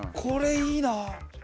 これいいな。